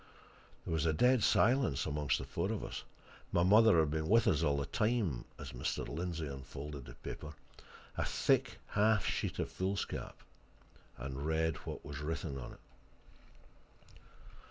There was a dead silence amongst the four of us my mother had been with us all the time as Mr. Lindsey unfolded the paper a thick, half sheet of foolscap, and read what was written on it.